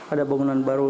ada bangunan baru